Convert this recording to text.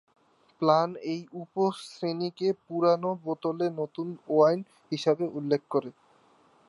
Plan এই উপ-শ্রেণিকে "পুরানো বোতলে নতুন ওয়াইন" হিসাবে উল্লেখ করে।